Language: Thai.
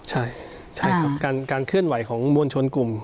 ใช่ครับการเคลื่อนไหวของมวลชนกลุ่ม